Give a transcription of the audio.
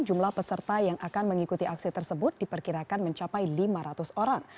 jumlah peserta yang akan mengikuti aksi tersebut diperkirakan mencapai lima ratus orang